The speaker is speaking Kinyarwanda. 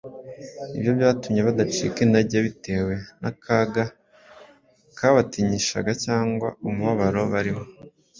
ni byo byatumye badacika intege bitewe n’akaga kabatinyishaga cyangwa umubabaro barimo.